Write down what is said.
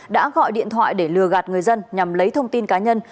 đã gọi điện thoại để lừa gạt người dân nhằm lấy thông tin cá nhân